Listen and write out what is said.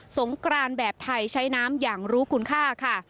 งกรานแบบไทยใช้น้ำอย่างรู้คุณค่าค่ะ